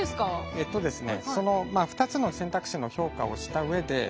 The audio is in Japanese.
えっとですね